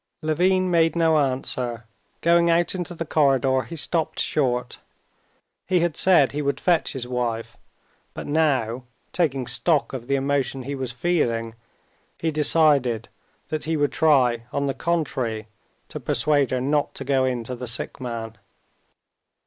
Levin made no answer. Going out into the corridor, he stopped short. He had said he would fetch his wife, but now, taking stock of the emotion he was feeling, he decided that he would try on the contrary to persuade her not to go in to the sick man.